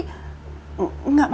menculik pangeran kok alesannya aneh ya